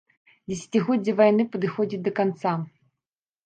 Дзесяцігоддзе вайны падыходзіць да канца.